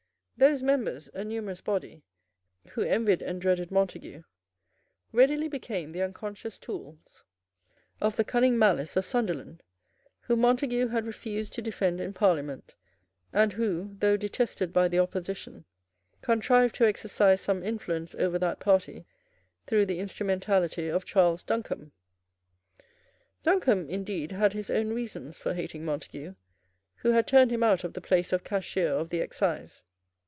Those members, a numerous body, who envied and dreaded Montague readily became the unconscious tools of the cunning malice of Sunderland, whom Montague had refused to defend in Parliament, and who, though detested by the opposition, contrived to exercise some influence over that party through the instrumentality of Charles Duncombe. Duncombe indeed had his own reasons for hating Montague, who had turned him out of the place of Cashier of the Excise.